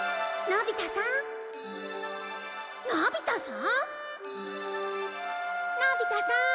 のび太さーん。